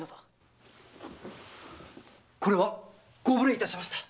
これはご無礼いたしました！